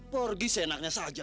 pergi seenaknya saja